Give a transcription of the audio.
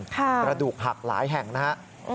ค่ะค่ะประดูกหักหลายแห่งนะครับ